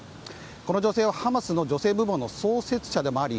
この女性はハマスの女性部門の創設者でもあり